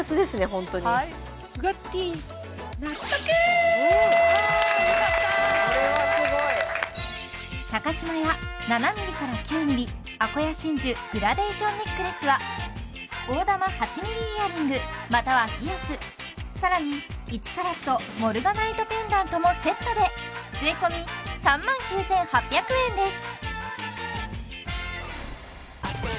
ホントに島屋７−９ｍｍあこや真珠グラデーションネックレスは大珠８ｍｍイヤリングまたはピアスさらに１ｃｔモルガナイトペンダントもセットで税込３万９８００円です